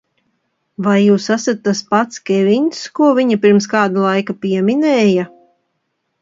Vai jūs esat tas pats Kevins, ko viņa pirms kāda laika pieminēja?